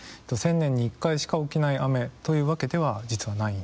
１０００年に１回しか起きない雨というわけでは実はないんです。